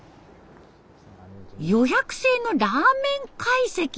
予約制のラーメン会席！